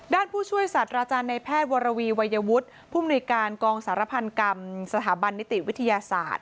ผู้ช่วยสัตว์อาจารย์ในแพทย์วรวีวัยวุฒิผู้มนุยการกองสารพันกรรมสถาบันนิติวิทยาศาสตร์